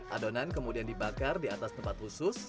adonan kemudian dibakar di atas tempat khusus